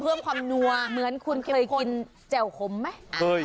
เพิ่มความนัวเหมือนคุณเคยกินแจ่วขมไหม